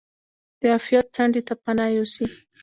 د عافیت څنډې ته پناه یوسي.